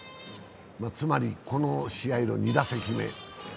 つまりこの試合の２打席目。